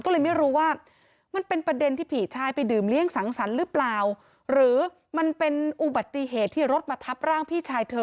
ก็เลยไม่รู้ว่ามันเป็นประเด็นที่ผีชายไปดื่มเลี้ยงสังสรรค์หรือเปล่าหรือมันเป็นอุบัติเหตุที่รถมาทับร่างพี่ชายเธอ